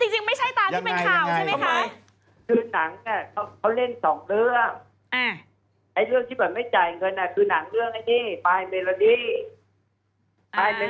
จริงไม่ใช่ตามที่เป็นข่าวใช่ไหมคะ